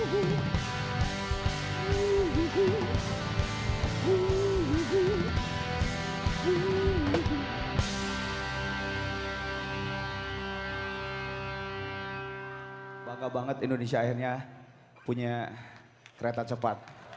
tuhan yang terindah yang terhampa